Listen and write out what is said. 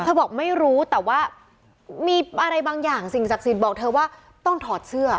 บอกไม่รู้แต่ว่ามีอะไรบางอย่างสิ่งศักดิ์สิทธิ์บอกเธอว่าต้องถอดเสื้อ